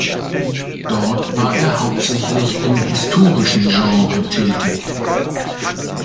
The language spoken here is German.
Dort war er hauptsächlich im historischen Genre tätig.